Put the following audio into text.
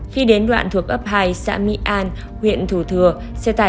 khi đến đoạn thuộc ấp hai xã mỹ an huyện thủ thừa